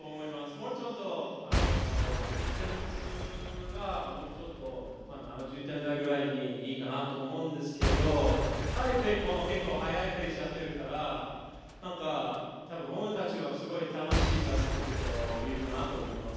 もうちょっとディフェンスがもうちょと７０点台ぐらいにいいかなと思うんですけれども、タイペイも結構速いペースでやってるから、たぶん選手たちは楽しいバスケットを見るかなと思います。